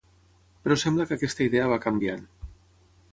Però sembla que aquesta idea va canviant.